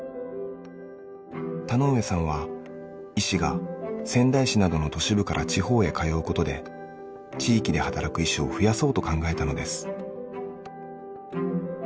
田上さんは医師が仙台市などの都市部から地方へ通うことで地域で働く医師を増やそうと考えたのです。